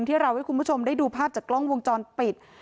ที่เราให้คุณผู้ชมได้ดูภาพจากกล้องวงจรปิด